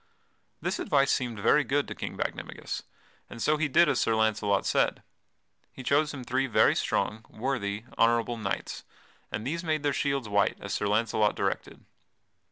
This advice seemed very good to King Bagdemagus, and so he did as Sir Launcelot said. He chose him three very strong, worthy, honorable knights, and these made their shields white as Sir Launcelot directed.